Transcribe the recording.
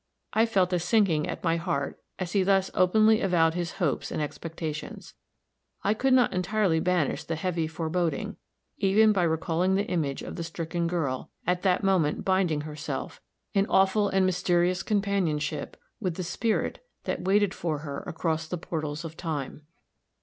I felt a sinking at my heart as he thus openly avowed his hopes and expectations; I could not entirely banish the heavy foreboding, even by recalling the image of the stricken girl, at that moment binding herself, in awful and mysterious companionship, with the spirit that waited for her across the portals of Time.